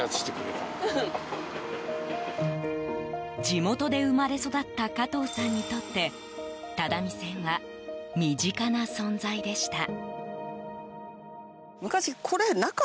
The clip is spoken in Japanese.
地元で生まれ育った加藤さんにとって只見線は身近な存在でした。